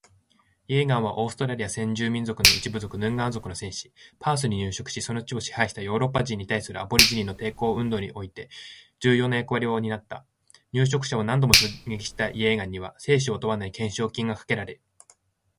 イェーガンは、オーストラリア先住民族の一部族ヌンガー族の戦士。パースに入植しその地を支配したヨーロッパ人に対するアボリジニの抵抗運動において重要な役割を担った。入植者を何度も襲撃したイェーガンには生死を問わない懸賞金がかけられ